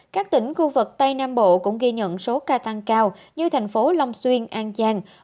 các tỉnh khu vực tây nam bộ cũng ghi nhận số ca tăng cao như thành phố long xuyên an giang